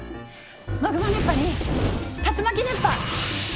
マグマ熱波に竜巻熱波。